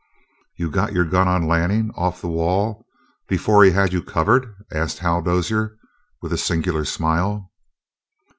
"You got your gun on Lanning off the wall before he had you covered?" asked Hal Dozier with a singular smile.